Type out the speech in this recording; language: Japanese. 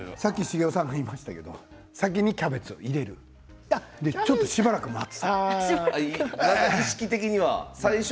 さっき茂雄さんが言いましたが先にキャベツを入れるというのもそして、しばらく待つ。